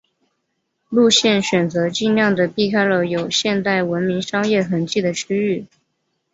路线选择尽量的避开了有现代文明商业痕迹的区域。